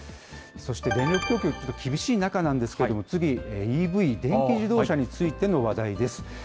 そして電力供給、厳しい中なんですけれども、次、ＥＶ・電気自動車についての話題です。